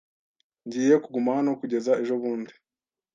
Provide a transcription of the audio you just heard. Ngiye kuguma hano kugeza ejobundi.